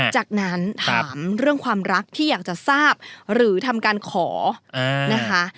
จากนั้นถามเรื่องความรักที่อยากจะทราบหรือทำการขอนะคะ